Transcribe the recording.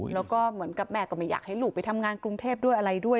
แล้วก็เหมือนกับแม่ก็ไม่อยากให้ลูกไปทำงานกรุงเทพด้วยอะไรด้วย